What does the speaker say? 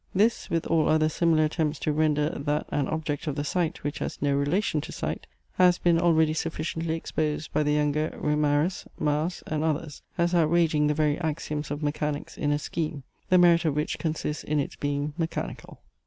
This, with all other similar attempts to render that an object of the sight which has no relation to sight, has been already sufficiently exposed by the younger Reimarus, Maasz, and others, as outraging the very axioms of mechanics in a scheme, the merit of which consists in its being mechanical.